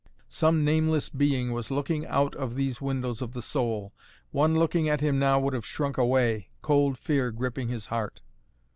Some nameless being was looking out of these windows of the soul. One looking at him now would have shrank away, cold fear gripping his heart.